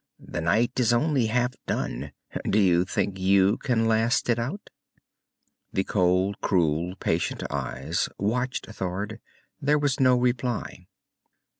"The night is only half gone. Do you think you can last it out?" The cold, cruel, patient eyes watched Thord. There was no reply.